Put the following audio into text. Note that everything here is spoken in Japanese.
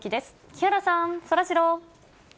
木原さん、そらジロー。